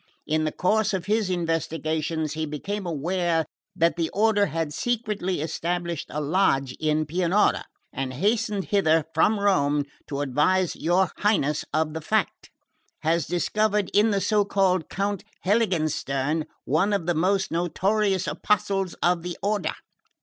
In the course of his investigations he became aware that the order had secretly established a lodge in Pianura; and hastening hither from Rome to advise your Highness of the fact, has discovered in the so called Count Heiligenstern one of the most notorious apostles of the order."